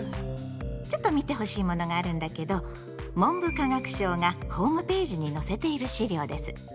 ちょっと見てほしいものがあるんだけど文部科学省がホームページに載せている資料です。